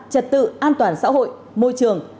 trật tự an toàn xã hội môi trường